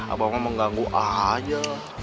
abah mau mengganggu aja